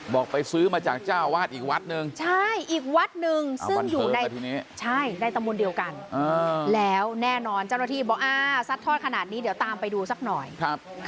บอกไปซื้อมาจากเจ้าอาวาสอีกวัดหนึ่งใช่อีกวัดหนึ่ง